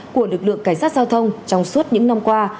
của lực lượng cảnh sát giao thông trong suốt những năm qua